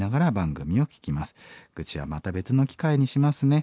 愚痴はまた別の機会にしますね。